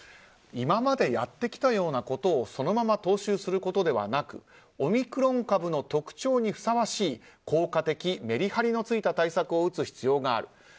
今までやってきたようなことをそのまま踏襲することではなくオミクロン株の特徴にふさわしい効果的、メリハリのついた対策を打つ必要がある。